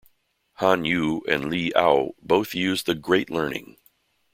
Han Yu and Li Ao both used The "Great Learning".